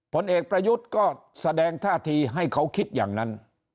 ผลเอกประยุทธ์ก็แสดงท่าทีให้เขาคิดอย่างนั้น